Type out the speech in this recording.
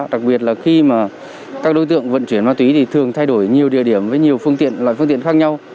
đặc biệt là khi mà các đối tượng vận chuyển ma túy thì thường thay đổi nhiều địa điểm với nhiều phương tiện loại phương tiện khác nhau